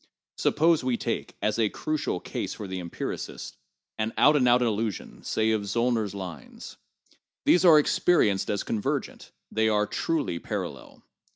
Suppose we take, as a crucial case for the empiricist, an out and out illusion, say of Zbllner 's lines. These are experienced as convergent ; they are 'truly' parallel.